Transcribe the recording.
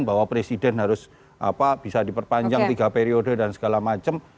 bahwa presiden harus bisa diperpanjang tiga periode dan segala macam